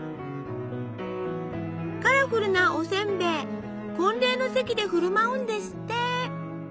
カラフルなおせんべい婚礼の席で振る舞うんですって！